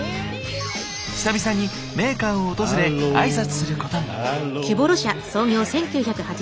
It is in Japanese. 久々にメーカーを訪れ挨拶することに。